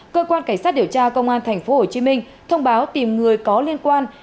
cơ quan cảnh sát điều tra công an tp hcm thông báo tìm người có liên quan